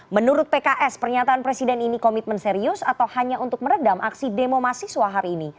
menurut pks pernyataan presiden ini komitmen serius atau hanya untuk meredam aksi demo mahasiswa hari ini